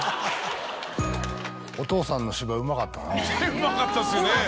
うまかったですよね。